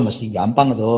masih gampang tuh